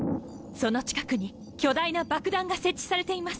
その近くに巨大な爆弾が設置されています。